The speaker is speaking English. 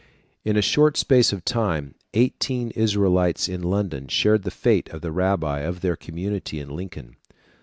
In a short space of time, eighteen Israelites in London shared the fate of the rabbi of their community in Lincoln.